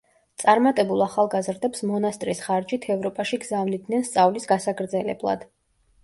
წარმატებულ ახალგაზრდებს მონასტრის ხარჯით ევროპაში გზავნიდნენ სწავლის გასაგრძელებლად.